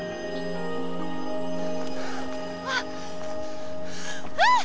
あっあっ！